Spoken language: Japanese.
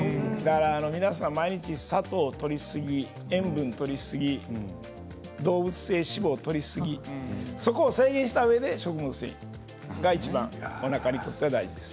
皆さん、毎日砂糖をとりすぎ塩分とりすぎ動物性脂肪とりすぎそこを制限したうえで食物繊維がいちばんおなかにとっては大事です。